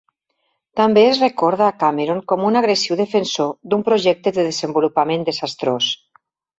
També es recorda a Cameron com un agressiu defensor d'un projecte de desenvolupament desastrós.